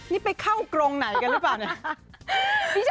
นี่ไปเข้ากรงไหนกันหรือเปล่าเนี่ย